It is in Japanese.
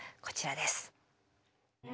こちらです。